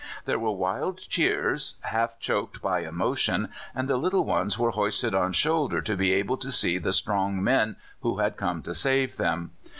There were wild cheers half choked by emotion, and the little ones were hoisted on shoulder to be able to see the strong men who had come to save them.